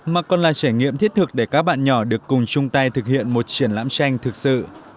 mà còn là trải nghiệm thiết thực để các bạn nhỏ được cùng chung tay thực hiện một triển lãm tranh thực sự